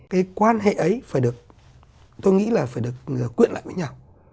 cái quan hệ ấy phải được tôi nghĩ là phải được quyện lại với nhau